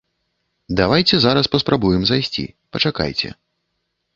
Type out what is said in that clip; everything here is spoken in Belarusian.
Давайце зараз паспрабуем зайсці, пачакайце.